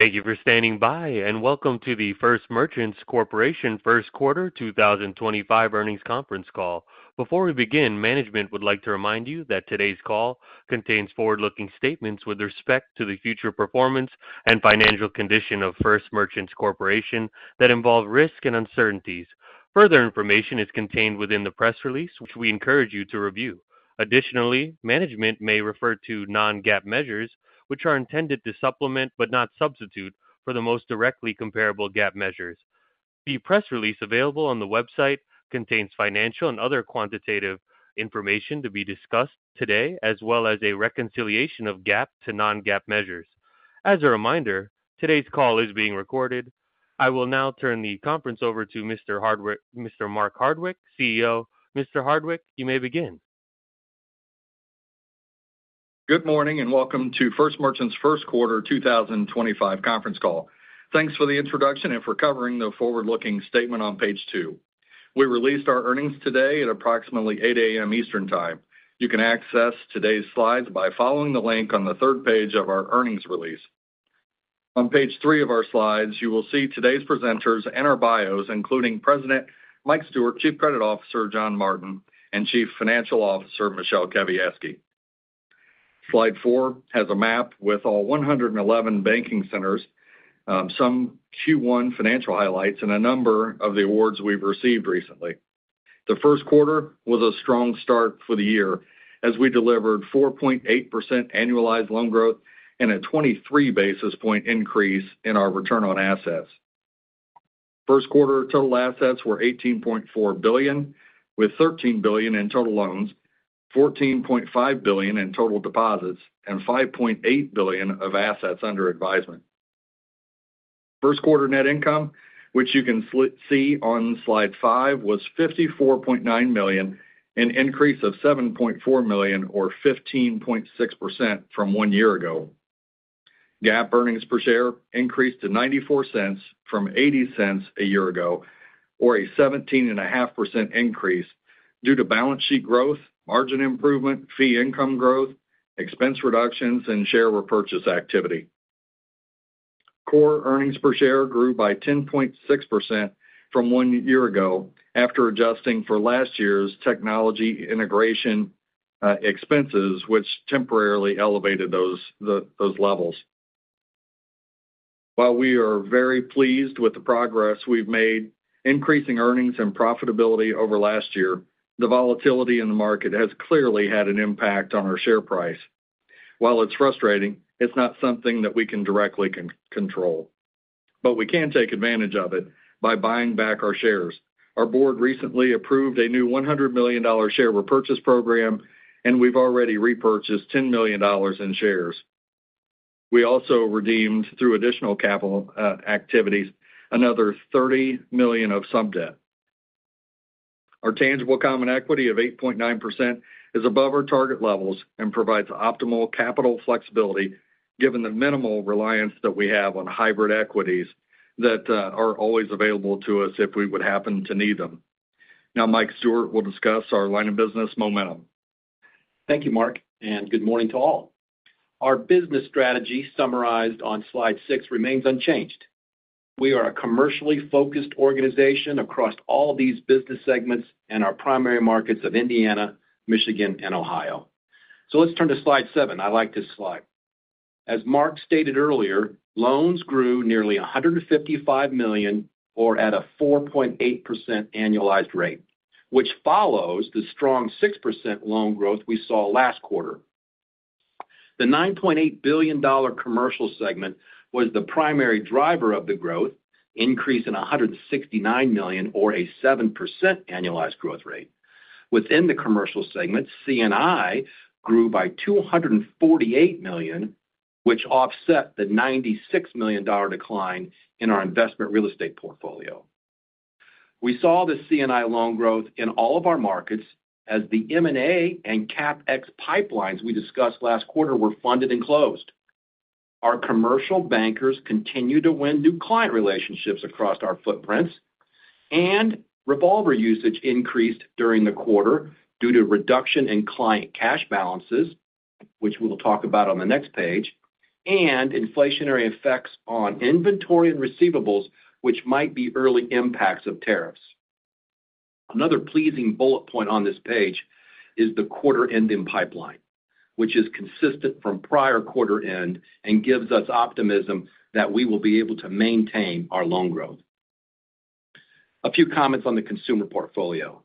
Thank you for standing by, and welcome to the First Merchants Corporation Q1 2025 Earnings Conference Call. Before we begin, management would like to remind you that today's call contains forward-looking statements with respect to the future performance and financial condition of First Merchants Corporation that involve risk and uncertainties. Further information is contained within the press release, which we encourage you to review. Additionally, management may refer to non-GAAP measures, which are intended to supplement but not substitute for the most directly comparable GAAP measures. The press release available on the website contains financial and other quantitative information to be discussed today, as well as a reconciliation of GAAP to non-GAAP measures. As a reminder, today's call is being recorded. I will now turn the conference over to Mr. Mark Hardwick, CEO. Mr. Hardwick, you may begin. Good morning and welcome to First Merchants Q1 2025 Conference Call. Thanks for the introduction and for covering the forward-looking statement on page two. We released our earnings today at approximately 8:00 A.M. Eastern Time. You can access today's slides by following the link on the third page of our earnings release. On page three of our slides, you will see today's presenters and our bios, including President Mike Stewart, Chief Credit Officer John Martin, and CFO Michele Kawiecki. Slide four has a map with all 111 banking centers, some Q1 financial highlights, and a number of the awards we've received recently. The Q1 was a strong start for the year, as we delivered 4.8% annualized loan growth and a 23 basis point increase in our return on assets. Q1 total assets were $18.4 billion, with $13 billion in total loans, $14.5 billion in total deposits, and $5.8 billion of assets under advisement. Q1 net income, which you can see on Slide five, was $54.9 million, an increase of $7.4 million, or 15.6% from one year ago. GAAP earnings per share increased to $0.94 from $0.80 a year ago, or a 17.5% increase due to balance sheet growth, margin improvement, fee income growth, expense reductions, and share repurchase activity. Core earnings per share grew by 10.6% from one year ago after adjusting for last year's technology integration expenses, which temporarily elevated those levels. While we are very pleased with the progress we've made, increasing earnings and profitability over last year, the volatility in the market has clearly had an impact on our share price. While it's frustrating, it's not something that we can directly control, but we can take advantage of it by buying back our shares. Our board recently approved a new $100 million share repurchase program, and we've already repurchased $10 million in shares. We also redeemed, through additional capital activities, another $30 million of subdebt. Our tangible common equity of 8.9% is above our target levels and provides optimal capital flexibility, given the minimal reliance that we have on hybrid equities that are always available to us if we would happen to need them. Now, Mike Stewart will discuss our line of business momentum. Thank you, Mark, and good morning to all. Our business strategy summarized on slide six remains unchanged. We are a commercially focused organization across all these business segments and our primary markets of Indiana, Michigan, and Ohio. Let's turn to slide seven. I like this Slide. As Mark stated earlier, loans grew nearly $155 million, or at a 4.8% annualized rate, which follows the strong 6% loan growth we saw last quarter. The $9.8 billion commercial segment was the primary driver of the growth, increasing $169 million, or a 7% annualized growth rate. Within the Commercial segment, C&I grew by $248 million, which offset the $96 million decline in our Investment Real Estate portfolio. We saw the C&I loan growth in all of our markets as the M&A and CapEx pipelines we discussed last quarter were funded and closed. Our commercial bankers continue to win new client relationships across our footprints, and revolver usage increased during the quarter due to reduction in client cash balances, which we'll talk about on the next page, and inflationary effects on inventory and receivables, which might be early impacts of tariffs. Another pleasing bullet point on this page is the quarter-ending pipeline, which is consistent from prior quarter end and gives us optimism that we will be able to maintain our loan growth. A few comments on the consumer portfolio.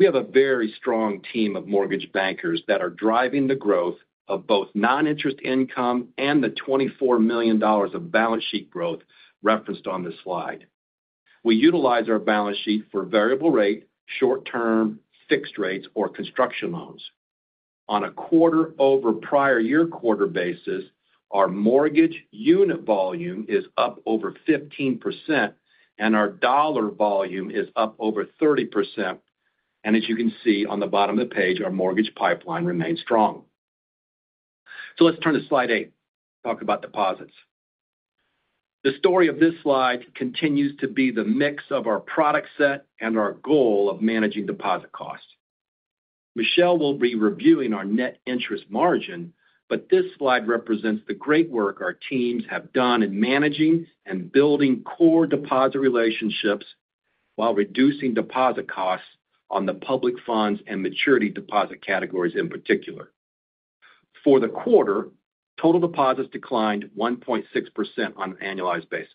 We have a very strong team of mortgage bankers that are driving the growth of non-interest income and the $24 million of balance sheet growth referenced on this slide. We utilize our balance sheet for variable rate, short-term, fixed rates, or construction loans. On a quarter-over-prior-year quarter basis, our mortgage unit volume is up over 15%, and our dollar volume is up over 30%. As you can see on the bottom of the page, our mortgage pipeline remains strong. Let's turn to slide eight, talk about deposits. The story of this slide continues to be the mix of our product set and our goal of managing deposit costs. Michele will be reviewing our net interest margin, but this slide represents the great work our teams have done in managing and building core deposit relationships while reducing deposit costs on the public funds and maturity deposit categories in particular. For the quarter, total deposits declined 1.6% on an annualized basis.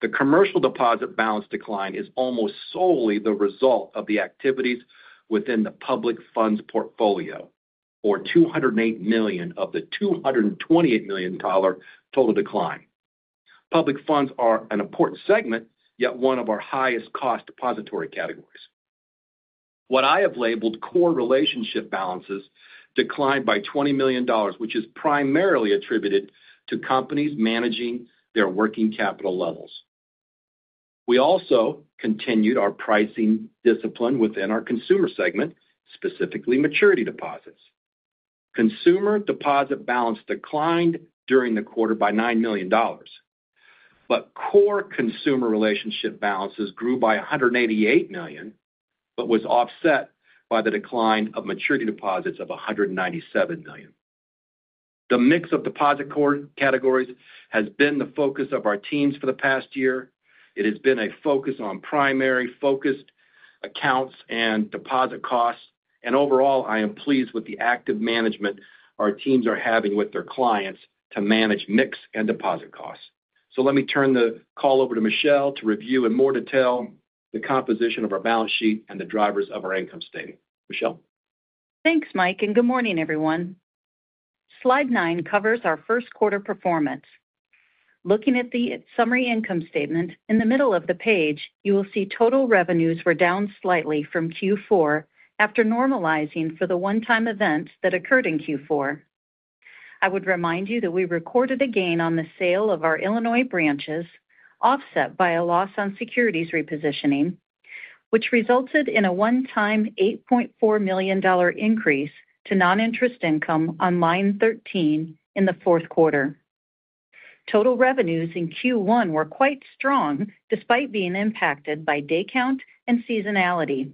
The commercial deposit balance decline is almost solely the result of the activities within the public funds portfolio, or $208 million of the $228 million total decline. Public funds are an important segment, yet one of our highest-cost depository categories. What I have labeled core relationship balances declined by $20 million, which is primarily attributed to companies managing their working capital levels. We also continued our pricing discipline within our consumer segment, specifically maturity deposits. Consumer deposit balance declined during the quarter by $9 million, but core consumer relationship balances grew by $188 million, but was offset by the decline of maturity deposits of $197 million. The mix of deposit core categories has been the focus of our teams for the past year. It has been a focus on primary focused accounts and deposit costs. Overall, I am pleased with the active management our teams are having with their clients to manage mix and deposit costs. Let me turn the call over to Michele to review in more detail the composition of our balance sheet and the drivers of our income statement. Michele. Thanks, Mike, and good morning, everyone. Slide nine covers our Q1 performance. Looking at the summary income statement, in the middle of the page, you will see total revenues were down slightly from Q4 after normalizing for the one-time events that occurred in Q4. I would remind you that we recorded a gain on the sale of our Illinois branches, offset by a loss on securities repositioning, which resulted in a one-time $8.4 million increase non-interest income on line 13 in the Q4. Total revenues in Q1 were quite strong despite being impacted by day count and seasonality.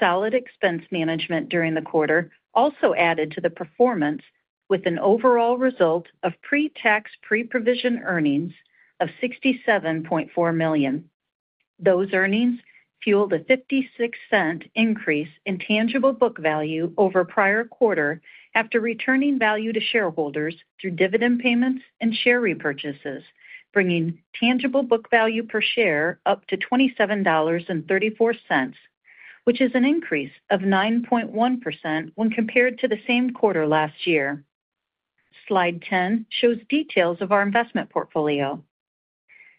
Solid expense management during the quarter also added to the performance, with an overall result of pre-tax pre-provision earnings of $67.4 million. Those earnings fueled a $0.56 increase in tangible book value over prior quarter after returning value to shareholders through dividend payments and share repurchases, bringing tangible book value per share up to $27.34, which is an increase of 9.1% when compared to the same quarter last year. Slide 10 shows details of our Investment portfolio.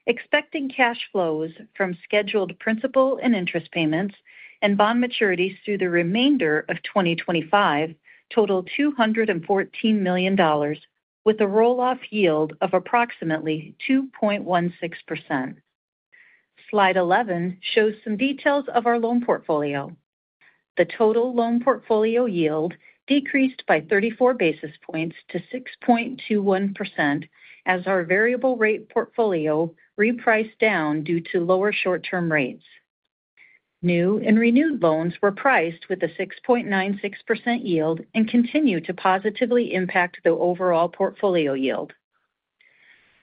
Expecting cash flows from scheduled principal and interest payments and bond maturities through the remainder of 2025 totaled $214 million, with a roll-off yield of approximately 2.16%. Slide 11 shows some details of our loan portfolio. The total loan portfolio yield decreased by 34 basis points to 6.21% as our variable rate portfolio repriced down due to lower short-term rates. New and renewed loans were priced with a 6.96% yield and continue to positively impact the overall portfolio yield.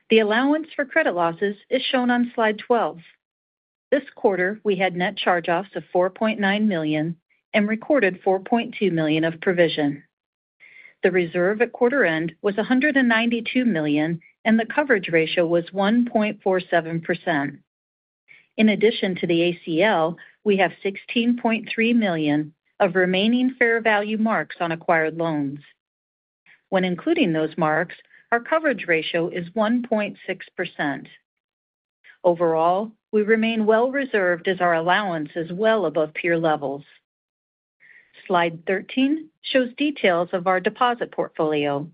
The allowance for credit losses is shown on Slide 12. This quarter, we had net charge-offs of $4.9 million and recorded $4.2 million of provision. The reserve at quarter-end was $192 million, and the coverage ratio was 1.47%. In addition to the ACL, we have $16.3 million of remaining fair value marks on acquired loans. When including those marks, our coverage ratio is 1.6%. Overall, we remain well-reserved as our allowance is well above peer levels. Slide 13 shows details of our deposit portfolio.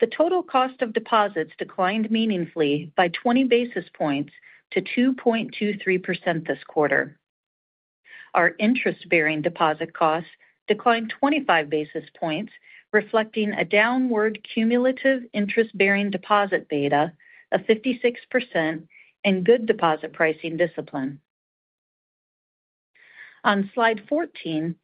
The total cost of deposits declined meaningfully by 20 basis points to 2.23% this quarter. Our interest-bearing deposit costs declined 25 basis points, reflecting a downward cumulative interest-bearing deposit beta, a 56%, and good deposit pricing discipline. On slide 14,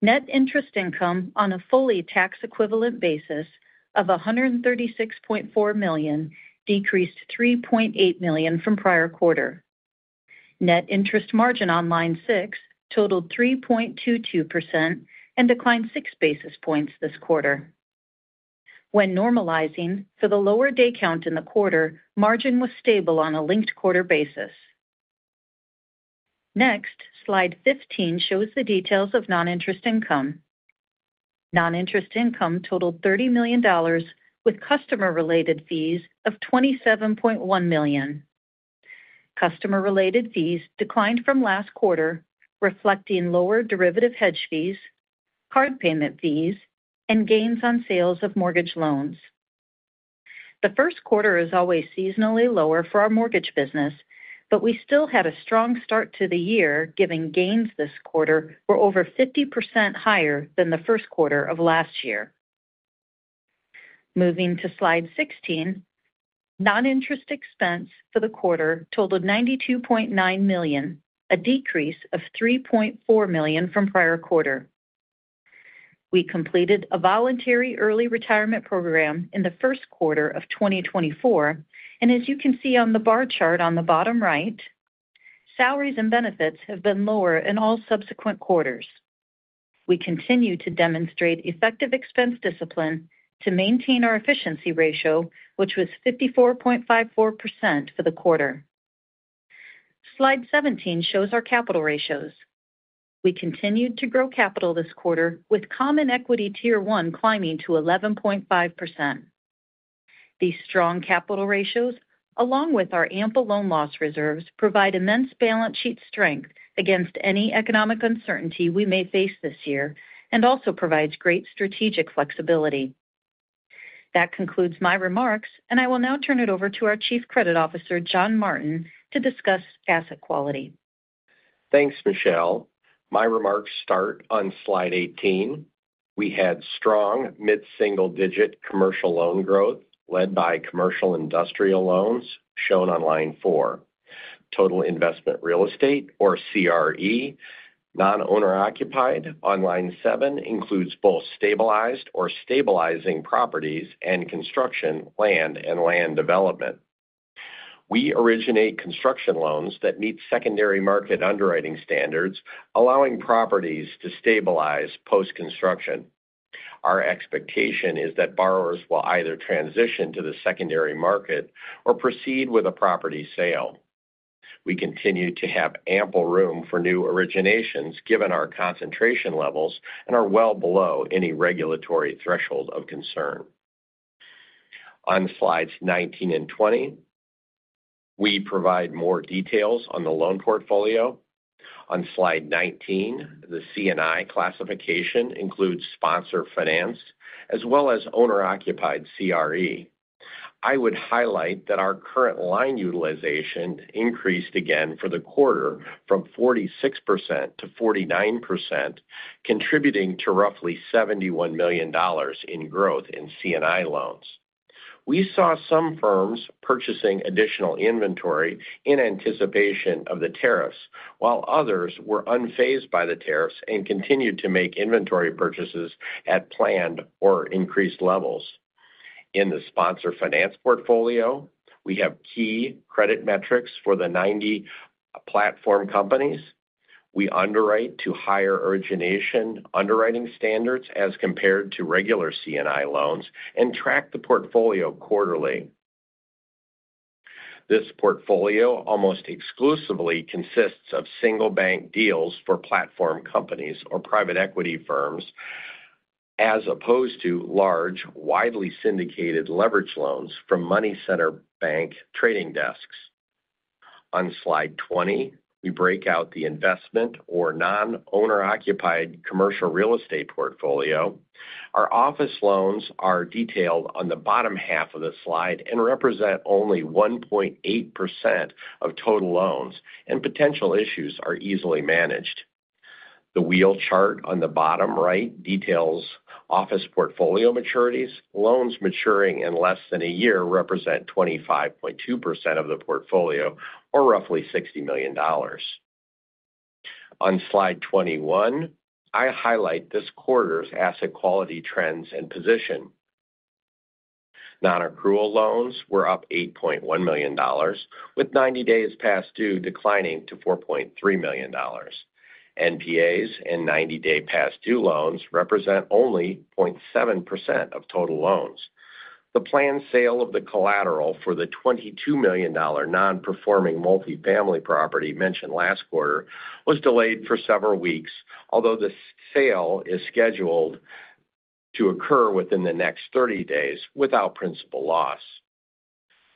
net interest income on a fully tax-equivalent basis of $136.4 million decreased $3.8 million from prior quarter. Net interest margin on line six totaled 3.22% and declined 6 basis points this quarter. When normalizing for the lower day count in the quarter, margin was stable on a linked quarter basis. Next, Slide 15 shows non-interest income. Non-interest income totaled $30 million, with customer-related fees of $27.1 million. Customer-related fees declined from last quarter, reflecting lower derivative hedge fees, card payment fees, and gains on sales of mortgage loans. The Q1 is always seasonally lower for our mortgage business, but we still had a strong start to the year, given gains this quarter were over 50% higher than the Q1 of last year. Moving to Slide 16, non-interest expense for the quarter totaled $92.9 million, a decrease of $3.4 million from prior quarter. We completed a voluntary early retirement program in the Q1 of 2024, and as you can see on the bar chart on the bottom right, salaries and benefits have been lower in all subsequent quarters. We continue to demonstrate effective expense discipline to maintain our efficiency ratio, which was 54.54% for the quarter. Slide 17 shows our capital ratios. We continued to grow capital this quarter, with common equity tier 1 climbing to 11.5%. These strong capital ratios, along with our ample loan loss reserves, provide immense balance sheet strength against any economic uncertainty we may face this year and also provide great strategic flexibility. That concludes my remarks, and I will now turn it over to our Chief Credit Officer, John Martin, to discuss asset quality. Thanks, Michele. My remarks start on Slide 18. We had strong mid-single-digit commercial loan growth led by commercial industrial loans shown on line four. Total Investment Real Estate, or CRE, Non-Owner Occupied on line seven includes both stabilized or stabilizing properties and construction, land, and land development. We originate construction loans that meet secondary market underwriting standards, allowing properties to stabilize post-construction. Our expectation is that borrowers will either transition to the secondary market or proceed with a property sale. We continue to have ample room for new originations, given our concentration levels and are well below any regulatory threshold of concern. On slides 19 and 20, we provide more details on the loan portfolio. On Slide 19, the C&I classification includes Sponsor-Financed as well as owner-occupied CRE. I would highlight that our current line utilization increased again for the quarter from 46%-49%, contributing to roughly $71 million in growth in C&I loans. We saw some firms purchasing additional inventory in anticipation of the tariffs, while others were unfazed by the tariffs and continued to make inventory purchases at planned or increased levels. In the Sponsor-Financed portfolio, we have key credit metrics for the 90 platform companies. We underwrite to higher origination underwriting standards as compared to regular C&I loans and track the portfolio quarterly. This portfolio almost exclusively consists of single-bank deals for platform companies or private equity firms, as opposed to large, widely syndicated leverage loans from money center bank trading desks. Slide 20, we break out the Investment Non-Owner Occupied commercial real estate portfolio. Our office loans are detailed on the bottom half of the slide and represent only 1.8% of total loans, and potential issues are easily managed. The wheel chart on the bottom right details office portfolio maturities. Loans maturing in less than a year represent 25.2% of the portfolio, or roughly $60 million. Slide 21, i highlight this quarter's asset quality trends and position. Non-accrual loans were up $8.1 million, with 90 days past due declining to $4.3 million. NPAs and 90-day past due loans represent only 0.7% of total loans. The planned sale of the collateral for the $22 million non-performing multifamily property mentioned last quarter was delayed for several weeks, although the sale is scheduled to occur within the next 30 days without principal loss.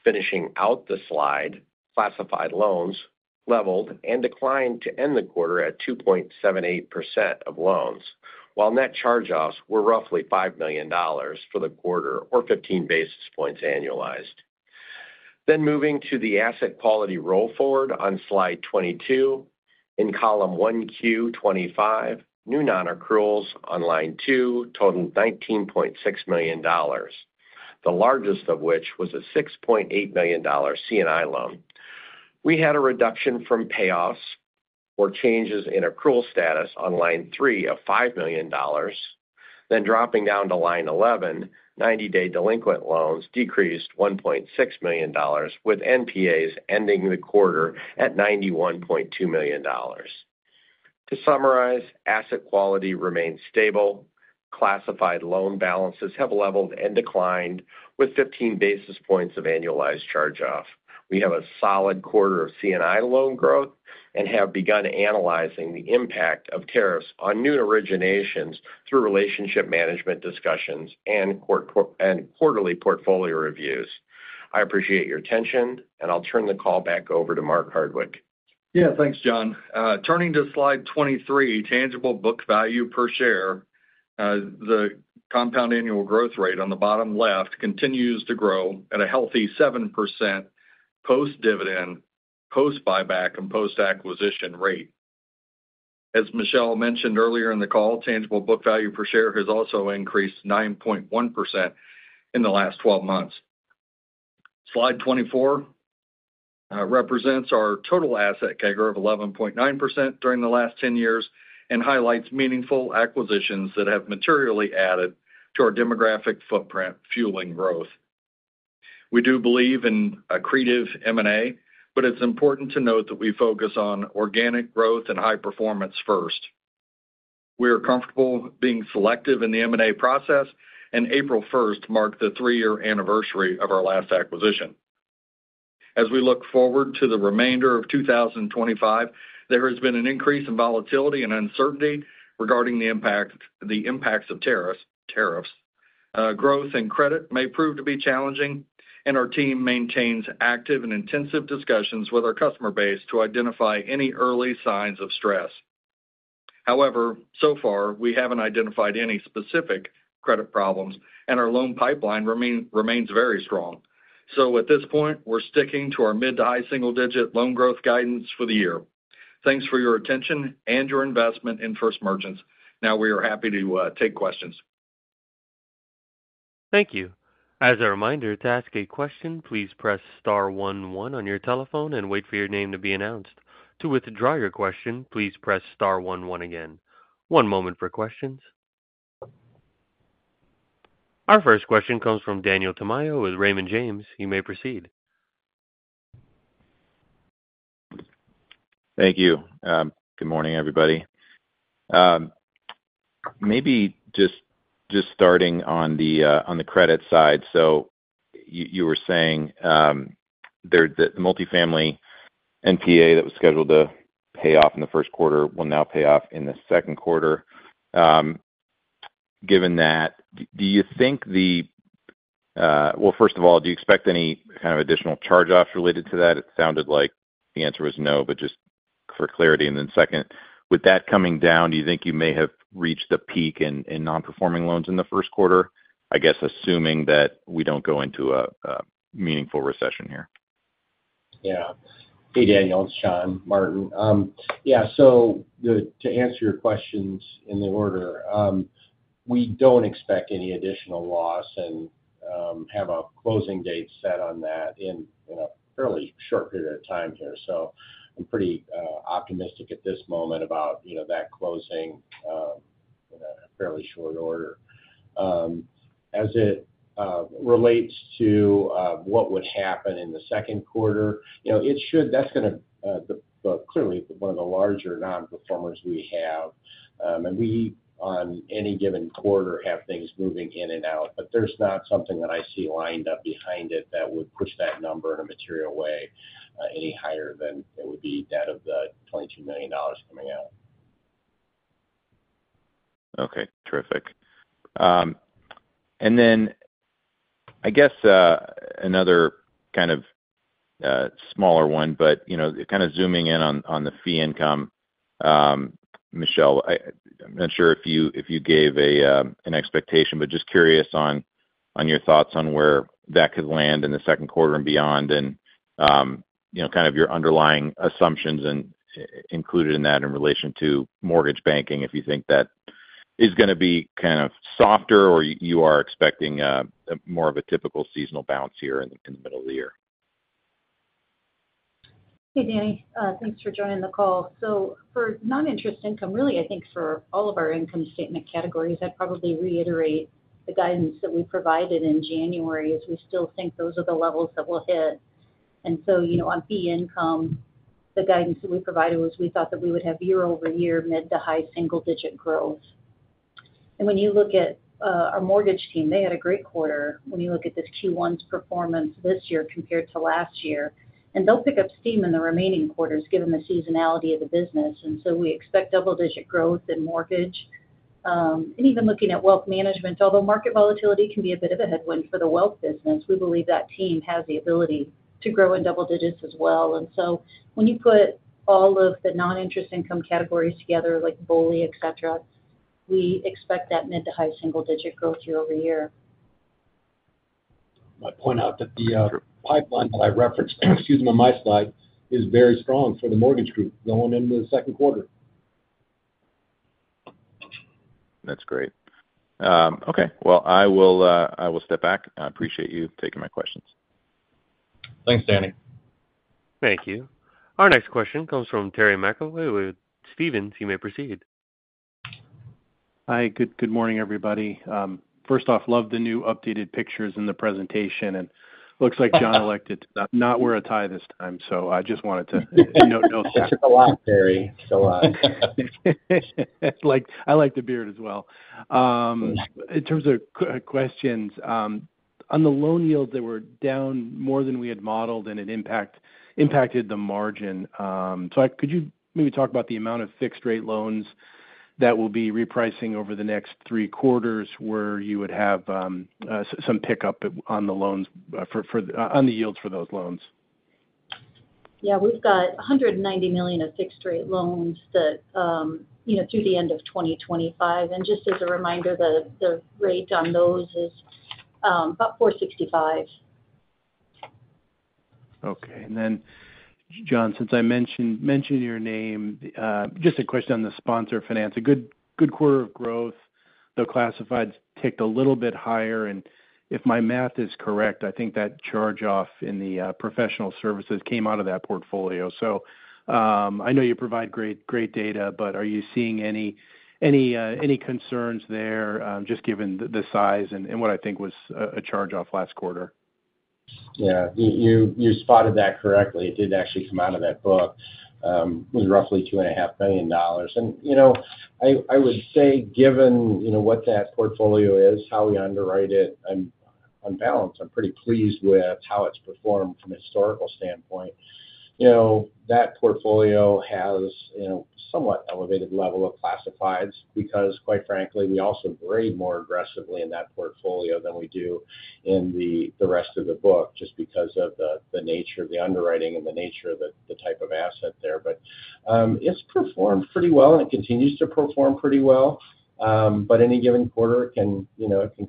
Finishing out the slide, classified loans leveled and declined to end the quarter at 2.78% of loans, while net charge-offs were roughly $5 million for the quarter, or 15 basis points annualized. Moving to the asset quality roll forward Slide 22, in column 1Q25, new non-accruals on line two totaled $19.6 million, the largest of which was a $6.8 million C&I loan. We had a reduction from payoffs or changes in accrual status on line three of $5 million. Dropping down to line 11, 90-day delinquent loans decreased $1.6 million, with NPAs ending the quarter at $91.2 million. To summarize, asset quality remains stable. Classified loan balances have leveled and declined with 15 basis points of annualized charge-off. We have a solid quarter of C&I loan growth and have begun analyzing the impact of tariffs on new originations through relationship management discussions and quarterly portfolio reviews. I appreciate your attention, and I'll turn the call back over to Mark Hardwick. Yeah, thanks, John. Turning Slide 23, tangible book value per share, the compound annual growth rate on the bottom left continues to grow at a healthy 7% post-dividend, post-buyback, and post-acquisition rate. As Michele mentioned earlier in the call, tangible book value per share has also increased 9.1% in the last 12 Slide 24 represents our total asset CAGR of 11.9% during the last 10 years and highlights meaningful acquisitions that have materially added to our demographic footprint, fueling growth. We do believe in accretive M&A, but it's important to note that we focus on organic growth and high performance first. We are comfortable being selective in the M&A process, and April 1st marked the three-year anniversary of our last acquisition. As we look forward to the remainder of 2025, there has been an increase in volatility and uncertainty regarding the impacts of tariffs. Growth and credit may prove to be challenging, and our team maintains active and intensive discussions with our customer base to identify any early signs of stress. However, so far, we haven't identified any specific credit problems, and our loan pipeline remains very strong. At this point, we're sticking to our mid-to-high single-digit loan growth guidance for the year. Thanks for your attention and your investment in First Merchants. Now we are happy to take questions. Thank you. As a reminder, to ask a question, please press star one one on your telephone and wait for your name to be announced. To withdraw your question, please press star one one again. One moment for questions. Our first question comes from Daniel Tamayo with Raymond James. You may proceed. Thank you. Good morning, everybody. Maybe just starting on the credit side, you were saying the multifamily NPA that was scheduled to pay off in the Q1 will now pay off in the Q2. Given that, do you think the—first of all, do you expect any kind of additional charge-offs related to that? It sounded like the answer was no, but just for clarity. Then, with that coming down, do you think you may have reached the peak in non-performing loans in the Q1, I guess assuming that we do not go into a meaningful recession here? Yeah. Hey, Daniel. It's John Martin. Yeah, to answer your questions in the order, we don't expect any additional loss and have a closing date set on that in a fairly short period of time here. I'm pretty optimistic at this moment about that closing in a fairly short order. As it relates to what would happen in the Q2, it should—that's going to be clearly one of the larger non-performers we have. We, on any given quarter, have things moving in and out, but there's not something that I see lined up behind it that would push that number in a material way any higher than it would be that of the $22 million coming out. Okay. Terrific. I guess another kind of smaller one, but kind of zooming in on the fee income, Michele, I'm not sure if you gave an expectation, but just curious on your thoughts on where that could land in the Q2 and beyond and kind of your underlying assumptions included in that in relation to mortgage banking, if you think that is going to be kind of softer or you are expecting more of a typical seasonal bounce here in the middle of the year. Hey, Danny. Thanks for joining non-interest income, really, i think for all of our income statement categories, I'd probably reiterate the guidance that we provided in January as we still think those are the levels that we'll hit. On fee income, the guidance that we provided was we thought that we would have year-over-year mid-to-high single-digit growth. When you look at our mortgage team, they had a great quarter when you look at this Q1's performance this year compared to last year. They'll pick up steam in the remaining quarters given the seasonality of the business. We expect double-digit growth in mortgage. Even looking at wealth management, although market volatility can be a bit of a headwind for the wealth business, we believe that team has the ability to grow in double digits as well. When you put non-interest income categories together, like BOLI, etc., we expect that mid-to-high single-digit growth year-over-year. I point out that the pipeline that I referenced, excuse me, on my slide is very strong for the mortgage group going into the Q2. That's great. Okay. I will step back. I appreciate you taking my questions. Thanks, Danny. Thank you. Our next question comes from Terry McEvoy with Stephens. You may proceed. Hi. Good morning, everybody. First off, love the new updated pictures in the presentation. Looks like John elected to not wear a tie this time, so I just wanted to note that. Thanks a lot, Terry. Thanks a lot. I like the beard as well. In terms of questions, on the loan yields, they were down more than we had modeled, and it impacted the margin. Could you maybe talk about the amount of fixed-rate loans that will be repricing over the next three quarters where you would have some pickup on the yields for those loans? Yeah. We've got $190 million of fixed-rate loans through the end of 2025. And just as a reminder, the rate on those is about 4.65%. Okay. John, since I mentioned your name, just a question on the Sponsor Finance. A good quarter of growth, the classifieds ticked a little bit higher. If my math is correct, I think that charge-off in the professional services came out of that portfolio. I know you provide great data, but are you seeing any concerns there just given the size and what I think was a charge-off last quarter? Yeah. You spotted that correctly. It did actually come out of that book. It was roughly $2.5 million. I would say, given what that portfolio is, how we underwrite it, on balance, I'm pretty pleased with how it's performed from a historical standpoint. That portfolio has a somewhat elevated level of classifieds because, quite frankly, we also grade more aggressively in that portfolio than we do in the rest of the book just because of the nature of the underwriting and the nature of the type of asset there. It has performed pretty well, and it continues to perform pretty well. Any given quarter, it can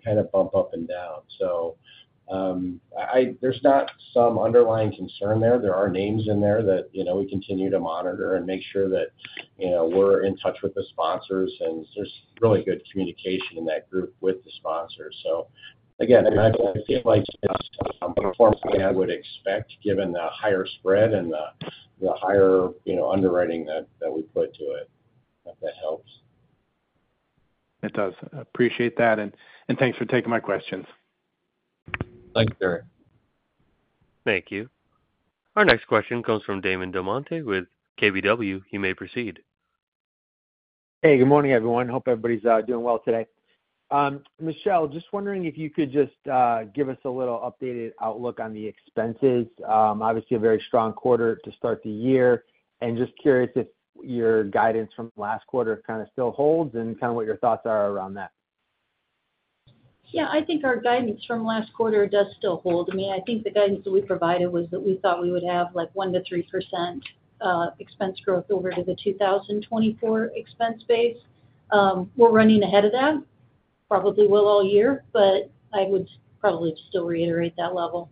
kind of bump up and down. There is not some underlying concern there. There are names in there that we continue to monitor and make sure that we're in touch with the sponsors. There is really good communication in that group with the sponsors. Again, I feel like it has performed the way I would expect given the higher spread and the higher underwriting that we put to it, if that helps. It does. Appreciate that. Thanks for taking my questions. Thanks, Terry. Thank you. Our next question comes from Damon DelMonte with KBW. You may proceed. Hey. Good morning, everyone. Hope everybody's doing well today. Michele, just wondering if you could just give us a little updated outlook on the expenses. Obviously, a very strong quarter to start the year. Just curious if your guidance from last quarter kind of still holds and kind of what your thoughts are around that. Yeah. I think our guidance from last quarter does still hold. I mean, I think the guidance that we provided was that we thought we would have like 1%-3% expense growth over to the 2024 expense base. We're running ahead of that. Probably will all year, but I would probably still reiterate that level.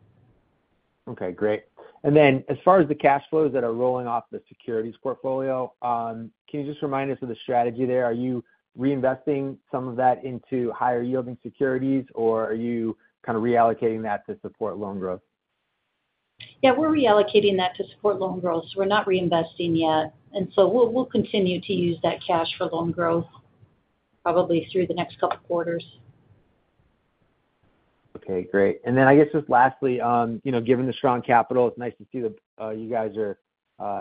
Okay. Great. As far as the cash flows that are rolling off the securities portfolio, can you just remind us of the strategy there? Are you reinvesting some of that into higher-yielding securities, or are you kind of reallocating that to support loan growth? Yeah. We're reallocating that to support loan growth. We're not reinvesting yet. We'll continue to use that cash for loan growth probably through the next couple of quarters. Okay. Great. I guess just lastly, given the strong capital, it's nice to see that you guys are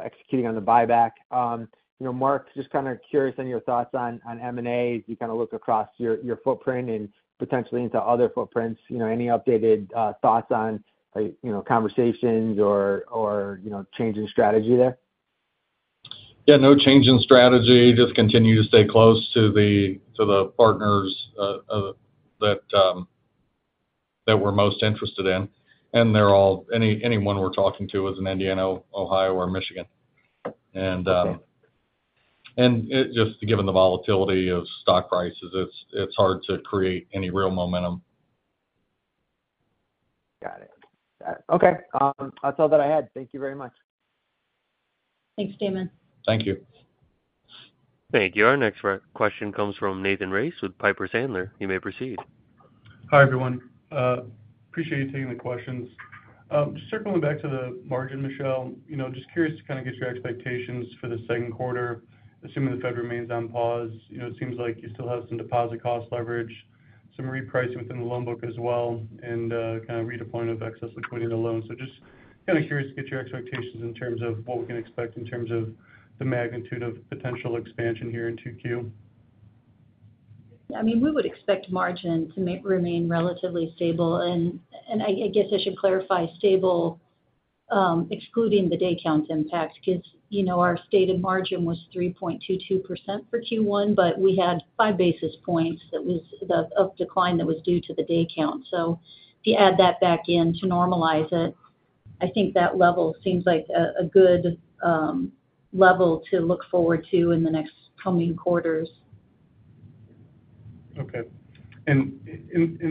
executing on the buyback. Mark, just kind of curious on your thoughts on M&A as you kind of look across your footprint and potentially into other footprints. Any updated thoughts on conversations or change in strategy there? Yeah. No change in strategy. Just continue to stay close to the partners that we're most interested in. Anyone we're talking to is in Indiana, Ohio, or Michigan. Just given the volatility of stock prices, it's hard to create any real momentum. Got it. Okay. That's all that I had. Thank you very much. Thanks, Damon. Thank you. Thank you. Our next question comes from Nathan Race with Piper Sandler. You may proceed. Hi, everyone. Appreciate you taking the questions. Just circling back to the margin, Michele, just curious to kind of get your expectations for the Q2. Assuming the Fed remains on pause, it seems like you still have some deposit cost leverage, some repricing within the loan book as well, and kind of redeployment of excess liquidity to loans. Just kind of curious to get your expectations in terms of what we can expect in terms of the magnitude of potential expansion here in Q2. Yeah. I mean, we would expect margin to remain relatively stable. I guess I should clarify stable excluding the day-count impact because our stated margin was 3.22% for Q1, but we had five basis points of decline that was due to the day count. If you add that back in to normalize it, I think that level seems like a good level to look forward to in the next coming quarters. Okay. In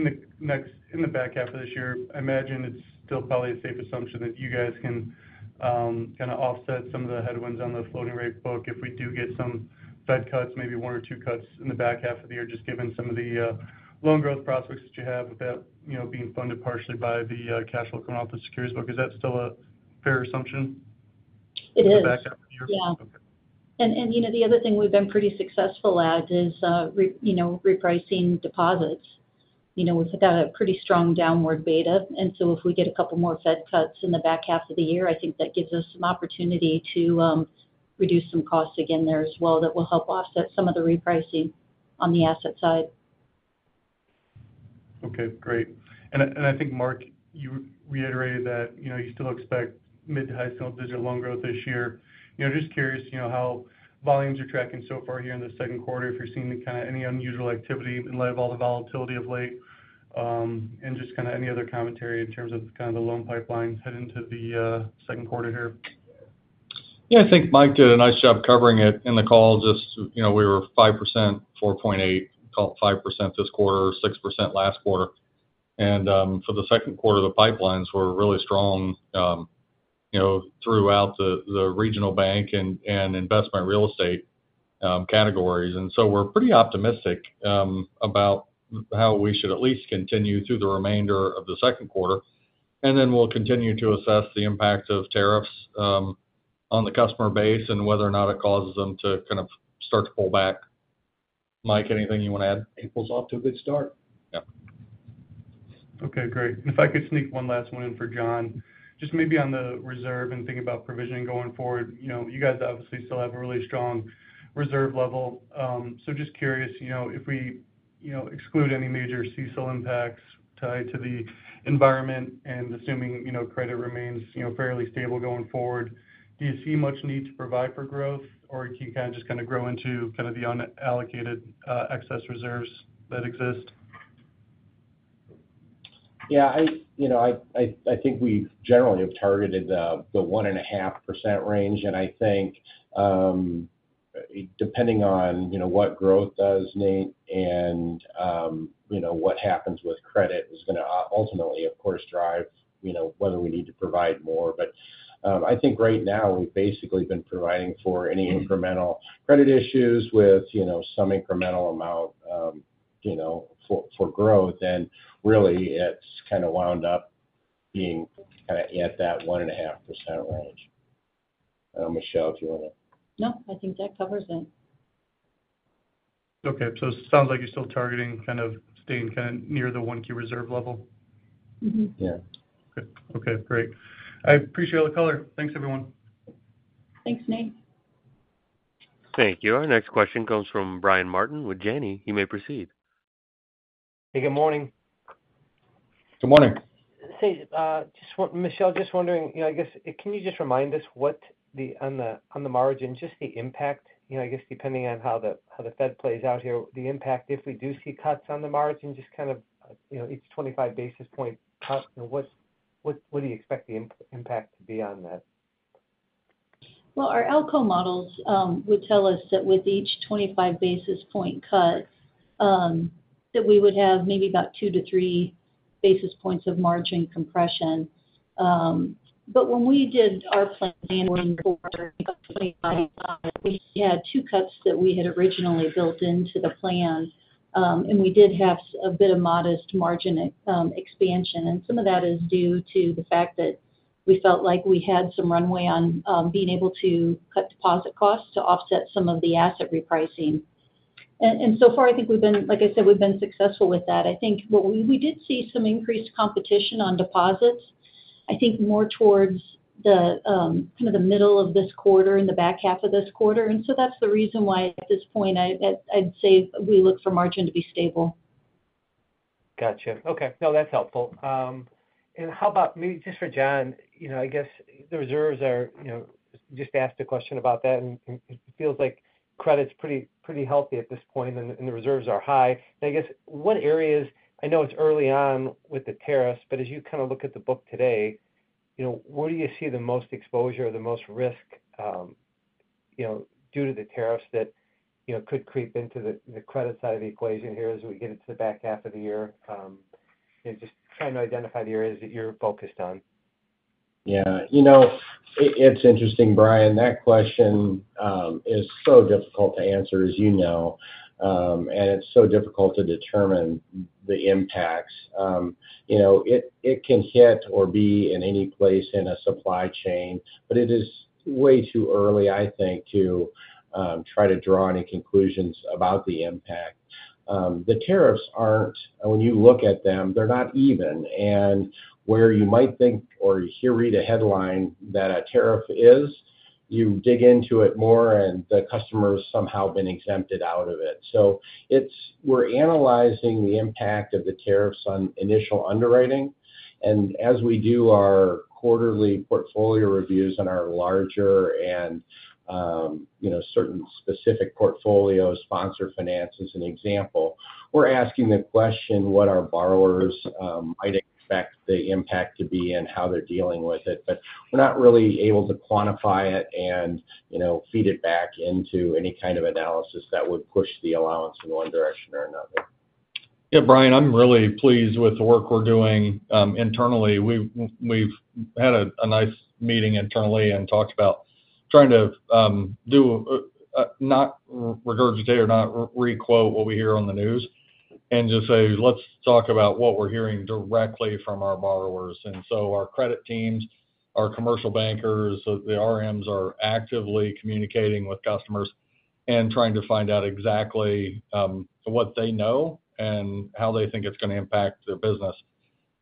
the back half of this year, I imagine it's still probably a safe assumption that you guys can kind of offset some of the headwinds on the floating rate book if we do get some Fed cuts, maybe one or two cuts in the back half of the year, just given some of the loan growth prospects that you have without being funded partially by the cash flow coming off the securities book. Is that still a fair assumption? It is. In the back half of the year? Yeah. The other thing we've been pretty successful at is repricing deposits. We've got a pretty strong downward beta. If we get a couple more Fed cuts in the back half of the year, I think that gives us some opportunity to reduce some costs again there as well that will help offset some of the repricing on the asset side. Okay. Great. I think, Mark, you reiterated that you still expect mid-to-high single-digit loan growth this year. Just curious how volumes are tracking so far here in the Q2, if you're seeing kind of any unusual activity in light of all the volatility of late, and just kind of any other commentary in terms of kind of the loan pipeline heading into the Q2 here. Yeah. I think Mike did a nice job covering it in the call. Just we were 5%, 4.8%, called 5% this quarter, 6% last quarter. For the Q2, the pipelines were really strong throughout the regional bank and Investment Real Estate categories. We are pretty optimistic about how we should at least continue through the remainder of the Q2. We will continue to assess the impact of tariffs on the customer base and whether or not it causes them to kind of start to pull back. Mike, anything you want to add? April's off to a good start. Yeah. Okay. Great. If I could sneak one last one in for John, just maybe on the reserve and thinking about provisioning going forward, you guys obviously still have a really strong reserve level. Just curious, if we exclude any major CSO impacts tied to the environment and assuming credit remains fairly stable going forward, do you see much need to provide for growth, or can you kind of just kind of grow into kind of the unallocated excess reserves that exist? Yeah. I think we generally have targeted the 1.5% range. I think depending on what growth does and what happens with credit is going to ultimately, of course, drive whether we need to provide more. I think right now, we've basically been providing for any incremental credit issues with some incremental amount for growth. It has kind of wound up being at that 1.5% range. I don't know, Michele, if you want to. Nope. I think that covers it. Okay. So it sounds like you're still targeting kind of staying kind of near the 1Q reserve level? Yeah. Okay. Okay. Great. I appreciate all the color. Thanks, everyone. Thanks, Nate. Thank you. Our next question comes from Brian Martin with Janney. You may proceed. Hey. Good morning. Good morning. Michele, just wondering, I guess, can you just remind us what on the margin, just the impact, I guess, depending on how the Fed plays out here, the impact if we do see cuts on the margin, just kind of each 25 basis point cut, what do you expect the impact to be on that? Our ALCO models would tell us that with each 25 basis point cut, that we would have maybe about two to three basis points of margin compression. When we did our plan for 2025, we had two cuts that we had originally built into the plan. We did have a bit of modest margin expansion. Some of that is due to the fact that we felt like we had some runway on being able to cut deposit costs to offset some of the asset repricing. So far, I think we've been, like I said, we've been successful with that. I think we did see some increased competition on deposits, I think more towards kind of the middle of this quarter and the back half of this quarter. That's the reason why at this point, I'd say we look for margin to be stable. Gotcha. Okay. No, that's helpful. How about maybe just for John, I guess the reserves are just asked a question about that. It feels like credit's pretty healthy at this point, and the reserves are high. I guess what areas, I know it's early on with the tariffs, but as you kind of look at the book today, where do you see the most exposure or the most risk due to the tariffs that could creep into the credit side of the equation here as we get into the back half of the year? Just trying to identify the areas that you're focused on. Yeah. It's interesting, Brian. That question is so difficult to answer, as you know. It's so difficult to determine the impacts. It can hit or be in any place in a supply chain, but it is way too early, I think, to try to draw any conclusions about the impact. The tariffs aren't, when you look at them, they're not even. Where you might think or hear, read a headline that a tariff is, you dig into it more, and the customer has somehow been exempted out of it. We're analyzing the impact of the tariffs on initial underwriting. As we do our quarterly portfolio reviews in our larger and certain specific portfolios, Sponsor Finance is an example, we're asking the question what our borrowers might expect the impact to be and how they're dealing with it. We're not really able to quantify it and feed it back into any kind of analysis that would push the allowance in one direction or another. Yeah. Brian, I'm really pleased with the work we're doing internally. We've had a nice meeting internally and talked about trying to not regurgitate or not requote what we hear on the news and just say, "Let's talk about what we're hearing directly from our borrowers." Our credit teams, our commercial bankers, the RMs are actively communicating with customers and trying to find out exactly what they know and how they think it's going to impact their business.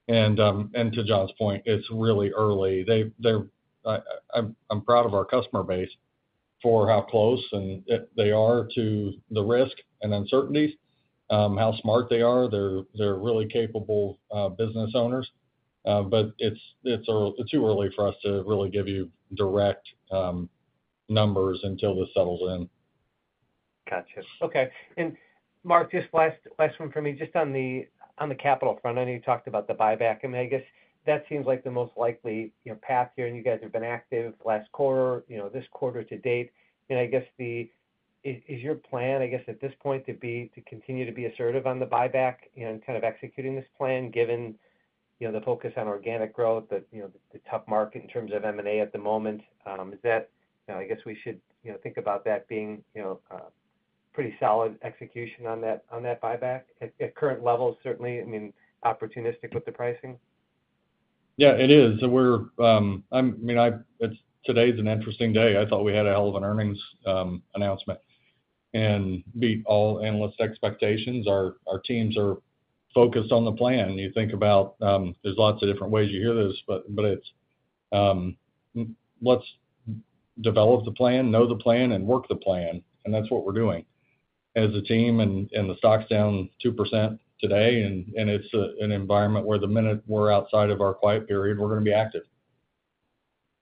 To John's point, it's really early. I'm proud of our customer base for how close they are to the risk and uncertainties, how smart they are. They're really capable business owners. It's too early for us to really give you direct numbers until this settles in. Gotcha. Okay. Mark, just last one from me. Just on the capital front, I know you talked about the buyback. I guess that seems like the most likely path here. You guys have been active last quarter, this quarter to date. I guess is your plan, at this point, to continue to be assertive on the buyback and kind of executing this plan given the focus on organic growth, the tough market in terms of M&A at the moment? Is that, I guess, we should think about that being pretty solid execution on that buyback at current levels, certainly, I mean, opportunistic with the pricing? Yeah, it is. I mean, today's an interesting day. I thought we had a hell of an earnings announcement and beat all analysts' expectations. Our teams are focused on the plan. You think about there's lots of different ways you hear this, but it's, "Let's develop the plan, know the plan, and work the plan." That's what we're doing as a team. The stock's down 2% today. It's an environment where the minute we're outside of our quiet period, we're going to be active.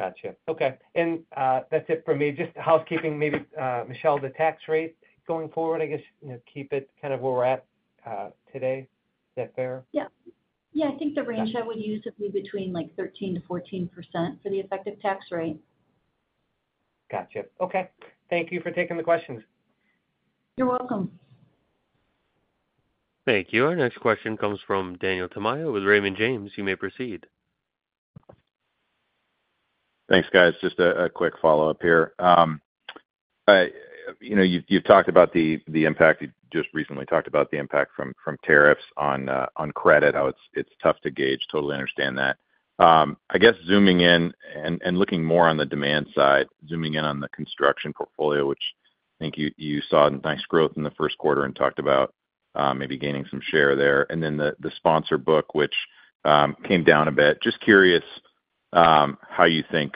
Gotcha. Okay. That is it for me. Just housekeeping, maybe, Michele, the tax rate going forward, I guess, keep it kind of where we're at today. Is that fair? Yeah. Yeah. I think the range I would use would be between 13-14% for the effective tax rate. Gotcha. Okay. Thank you for taking the questions. You're welcome. Thank you. Our next question comes from Daniel Tamayo with Raymond James. You may proceed. Thanks, guys. Just a quick follow-up here. You've talked about the impact, you just recently talked about the impact from tariffs on credit, how it's tough to gauge. Totally understand that. I guess zooming in and looking more on the demand side, zooming in on the construction portfolio, which I think you saw nice growth in the Q1 and talked about maybe gaining some share there. The Sponsor book, which came down a bit. Just curious how you think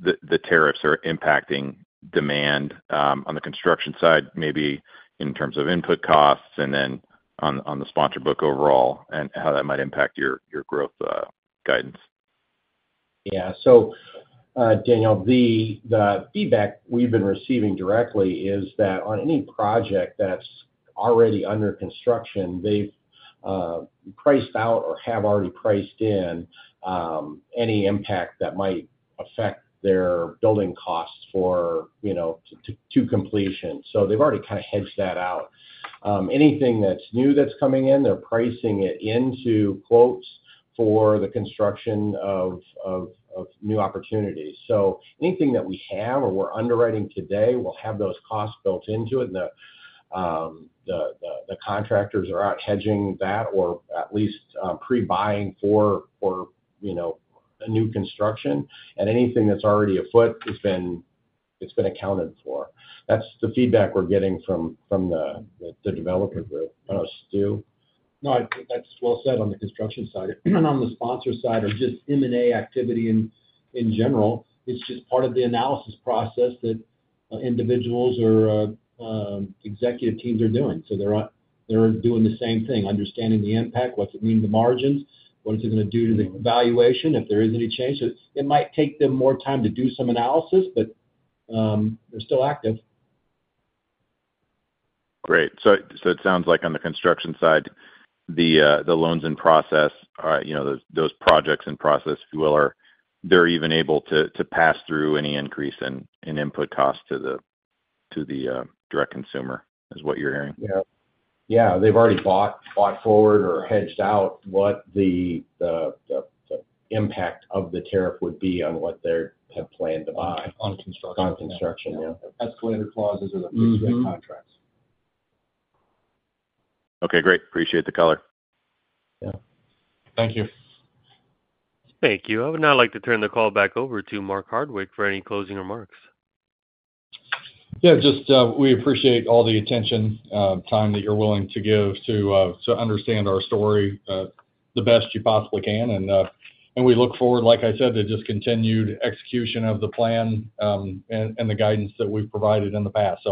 the tariffs are impacting demand on the construction side, maybe in terms of input costs and then on the Sponsor book overall, and how that might impact your growth guidance. Yeah. Daniel, the feedback we've been receiving directly is that on any project that's already under construction, they've priced out or have already priced in any impact that might affect their building costs for to completion. They've already kind of hedged that out. Anything that's new that's coming in, they're pricing it into quotes for the construction of new opportunities. Anything that we have or we're underwriting today will have those costs built into it. The contractors are out hedging that or at least pre-buying for a new construction. Anything that's already afoot has been accounted for. That's the feedback we're getting from the developer group. I don't know. Stew? No, that's well said on the construction side. On the Sponsor side, or just M&A activity in general, it's just part of the analysis process that individuals or executive teams are doing. They're doing the same thing, understanding the impact, what it means to margins, what is it going to do to the valuation if there is any change. It might take them more time to do some analysis, but they're still active. Great. It sounds like on the construction side, the loans in process, those projects in process, if you will, they're even able to pass through any increase in input costs to the direct consumer is what you're hearing. Yeah. Yeah. They've already bought forward or hedged out what the impact of the tariff would be on what they had planned to buy. On construction. On construction, yeah. Escalator clauses or the fixed-rate contracts. Okay. Great. Appreciate the color. Yeah. Thank you. Thank you. I would now like to turn the call back over to Mark Hardwick for any closing remarks. Yeah. We appreciate all the attention, time that you're willing to give to understand our story the best you possibly can. We look forward, like I said, to just continued execution of the plan and the guidance that we've provided in the past.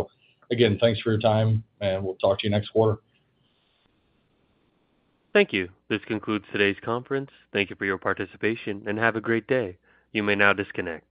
Again, thanks for your time. We'll talk to you next quarter. Thank you. This concludes today's conference. Thank you for your participation and have a great day. You may now disconnect.